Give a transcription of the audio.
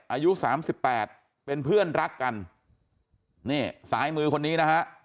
อายุสามสิบแปดเป็นเพื่อนรักกันนี่สายมือคนนี้นะฮะ